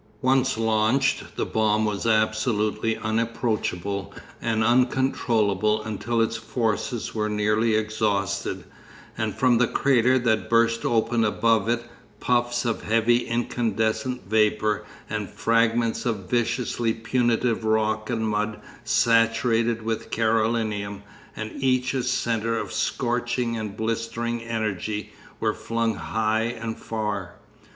Once launched, the bomb was absolutely unapproachable and uncontrollable until its forces were nearly exhausted, and from the crater that burst open above it, puffs of heavy incandescent vapour and fragments of viciously punitive rock and mud, saturated with Carolinum, and each a centre of scorching and blistering energy, were flung high and far.